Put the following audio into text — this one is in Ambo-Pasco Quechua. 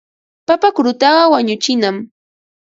Papa kurutaqa wañuchinam.